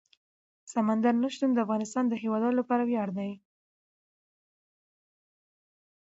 سمندر نه شتون د افغانستان د هیوادوالو لپاره ویاړ دی.